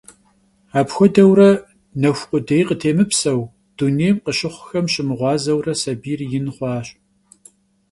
Apxuedeure, nexu khudêy khıtêmıpseu, dunêym khışıxhuxem şımığuazeure sabiyr yin xhuaş.